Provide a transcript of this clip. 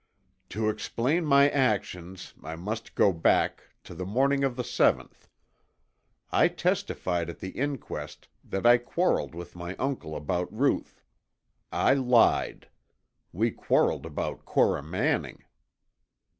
"To explain my actions I must go back to the morning of the seventh. I testified at the inquest that I quarreled with my uncle about Ruth. I lied. We quarreled about Cora Manning."